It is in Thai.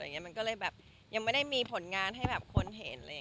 ยังไม่ได้มีผลงานให้คนเห็น